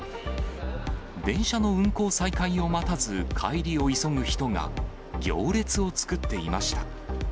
電車の運行再開を待たず帰りを急ぐ人が、行列を作っていました。